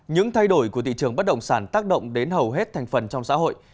những thay đổi của thị trường bất động sản tác động đến hầu hết thành phần trong xã hội